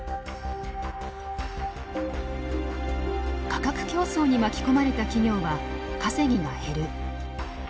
価格競争に巻き込まれた企業は稼ぎが減る。